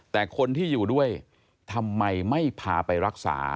แต่คนที่อยู่ด้วยทำไมไม่พาไปรักษา